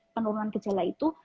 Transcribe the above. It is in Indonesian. penurunan gejala itu